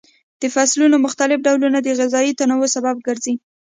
د فصلونو مختلف ډولونه د غذایي تنوع سبب ګرځي.